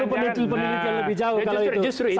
justru itu artinya gini